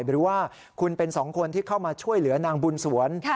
หรือว่าคุณเป็นสองคนที่เข้ามาช่วยเหลือนางบุญสวน